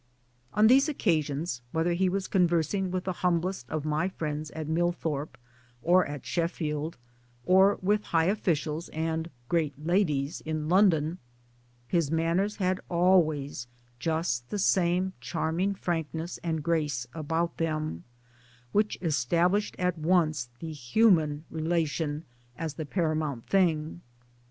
On these occasions, whether he was conversing with the humblest of my friends at Millthorpie or at Sheffield, or with high officials and " great ladies " in London his manners had always just the same charming frankness and grace about them; which established at once the human relation as the para mount thing.